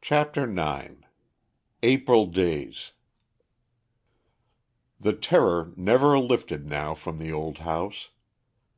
CHAPTER IX APRIL DAYS The terror never lifted now from the old house.